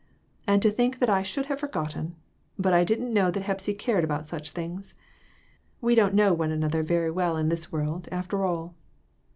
And to think that I should have forgotten ! But I didn't know that Hepsy cared about such things. We don't know one another very well in this world, after all."